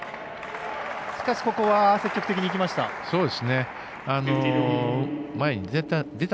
しかし、ここは積極的にいきました。